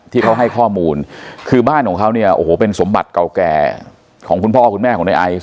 ที่เขาให้ข้อมูลคือบ้านของเขาเนี่ยโอ้โหเป็นสมบัติเก่าแก่ของคุณพ่อคุณแม่ของในไอซ์